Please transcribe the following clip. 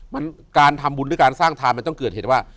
มันการทำบุญหรือการสร้างทานมันต้องเกิดเหตุว่า